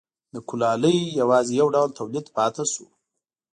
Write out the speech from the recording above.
د کولالۍ یوازې یو ډول تولید پاتې شو